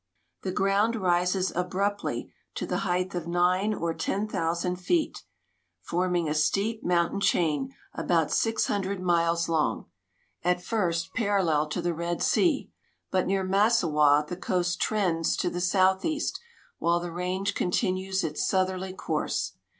'' The ground rises abruptly to the height of nine or ten thou sand feet, forming a steep mountain chain about six hundred miles long, at first parallel to the Red sea, but near Massowah the coast trends to the southeast, while the range continuas its southerly course.